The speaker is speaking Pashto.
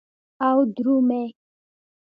او درومې